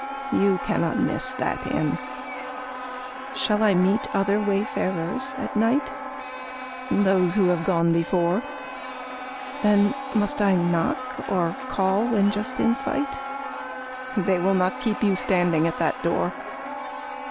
You cannot miss that inn. Shall I meet other wayfarers at night? Those who have gone before. Then must I knock, or call when just in sight? They will not keep you standing at that door.